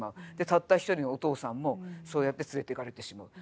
たった一人のお父さんもそうやって連れていかれてしまう。